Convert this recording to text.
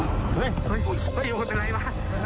เฮ้ยก็อยู่ก้านตรีละ